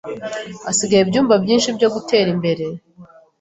Hasigaye ibyumba byinshi byo gutera imbere.